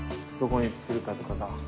どこに造るかとかが。